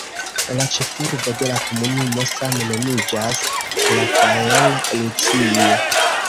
La ĉefurbo de la komunumo same nomiĝas "Rafael Lucio".